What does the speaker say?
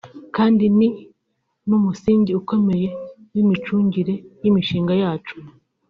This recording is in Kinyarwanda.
kandi ni n’umusingi ukomeye w’imicungire y’imishinga yacu